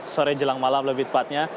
sore jelang malam lebih tepatnya